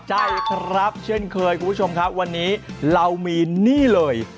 ใช่ครับเช่นเคยคุณผู้ชมครับวันนี้เรามีนี่เลย